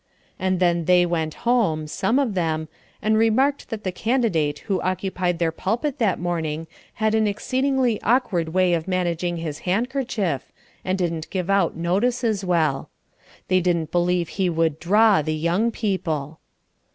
And then they went home, some of them, and remarked that the candidate who occupied their pulpit that morning had an exceedingly awkward way of managing his handkerchief, and didn't give out notices well. They didn't believe he would "draw" the "young people."